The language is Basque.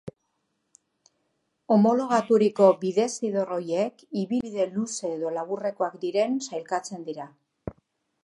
Homologaturiko bidezidor horiek ibilbide luze edo laburrekoak diren sailkatzen dira.